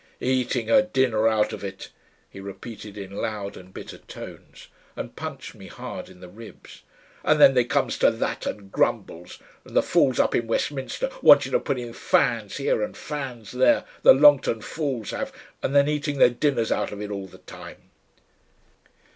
"Eating her dinner out of it," he repeated in loud and bitter tones, and punched me hard in the ribs. "And then they comes to THAT and grumbles. And the fools up in Westminster want you to put in fans here and fans there the Longton fools have.... And then eating their dinners out of it all the time!"...